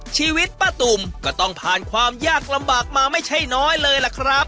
ชีวิตป้าตุ่มก็ต้องผ่านความยากลำบากมาไม่ใช่น้อยเลยล่ะครับ